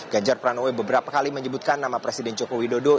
ganjar pranowo beberapa kali menyebutkan nama presiden jokowi dodo